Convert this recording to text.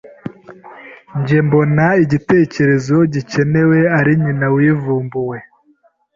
Njye mbona igitekerezo gikenewe ari nyina wivumbuwe.